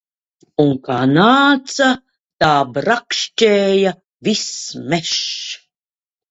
Un kā nāca, tā brakšķēja viss mežs.